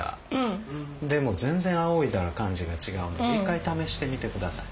でも全然あおいだら感じが違うんで一回試してみて下さい。